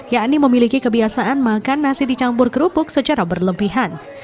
yakni memiliki kebiasaan makan nasi dicampur kerupuk secara berlebihan